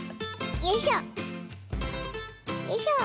よいしょ。